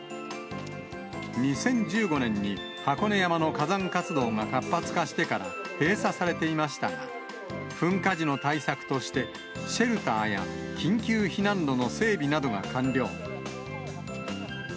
２０１５年に箱根山の火山活動が活発化してから閉鎖されていましたが、噴火時の対策として、シェルターや緊急避難路の整備などが完了。